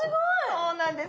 そうなんです。